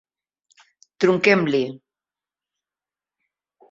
Truquem-li!